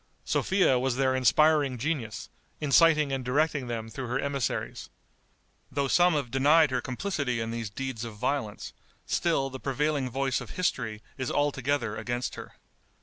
Sophia was their inspiring genius, inciting and directing them through her emissaries. Though some have denied her complicity in these deeds of violence, still the prevailing voice of history is altogether against her.